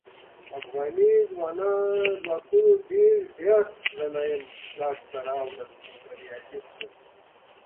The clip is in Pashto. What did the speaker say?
افغاني ځواکونو ډیر زیات غنایم لاسته راوړل او بریالي شول.